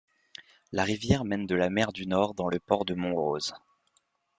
La rivière mène de la mer du Nord dans le port de Montrose.